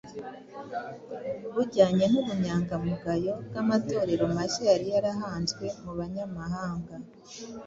bujyanye n’ubunyangamugayo bw’amatorero mashya yari yarahanzwe mu banyamahanga.